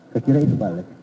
saya kira itu balik